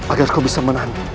agar kau bisa menahan